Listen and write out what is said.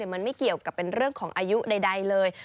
มันไม่เกี่ยวกับเป็นเรื่องของอายุใดเลย